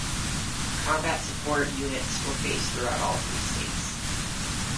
Combat Support units were based throughout all three states.